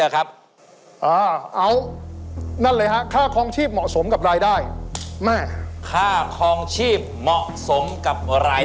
อ๋อครับครับ